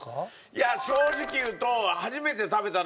いや正直言うと。